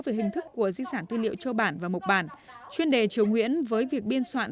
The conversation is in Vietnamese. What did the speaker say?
về hình thức của di sản tư liệu châu bản và mộc bản chuyên đề triều nguyễn với việc biên soạn